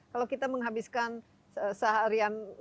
kalau kita menghabiskan seharian